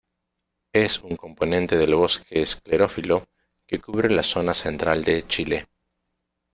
Es un componente del bosque esclerófilo, que cubre la zona central de Chile.